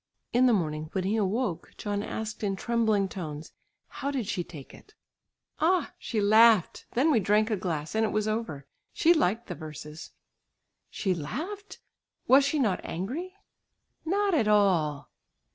In the morning when he awoke, John asked in trembling tones, "How did she take it?" "Ah, she laughed; then we drank a glass, and it was over. She liked the verses." "She laughed! Was she not angry?" "Not at all."